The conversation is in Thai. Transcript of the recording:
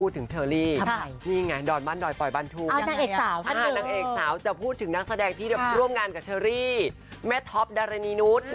พูดถึงเชอรี่นี่ไงดอนบ้านดอยปอยบ้านทุ่งนางเอกสาวจะพูดถึงนักแสดงที่ร่วมงานกับเชอรี่แม่ท็อปดารณีนุษย์